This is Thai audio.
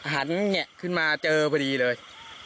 แหงขึ้นมาเจอพอดีเลย